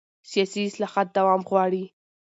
سیاسي اصلاحات دوام غواړي